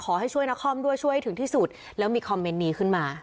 ขอให้ช่วยนครด้วยช่วยให้ถึงที่สุดแล้วมีคอมเมนต์นี้ขึ้นมา